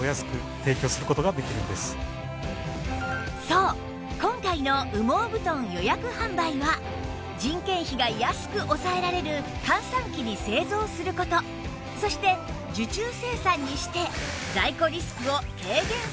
そう今回の羽毛布団予約販売は人件費が安く抑えられる閑散期に製造する事そして受注生産にして在庫リスクを軽減する事で